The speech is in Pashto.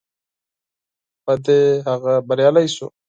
په دې هغه بریالی شو.